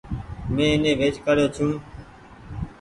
مين ايني ويچ ڪآڙيو ڇون ۔